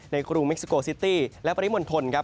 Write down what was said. กรุงเม็กซิโกซิตี้และปริมณฑลครับ